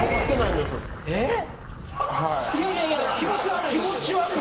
いやいや気持ち悪い。